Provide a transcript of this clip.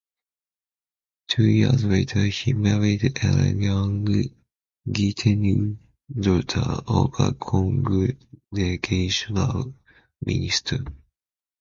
Two years later, he married Ellen Young Guiteau, daughter of a Congregational minister.